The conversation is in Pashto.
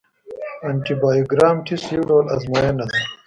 انټي بایوګرام ټسټ یو ډول ازموینه ده.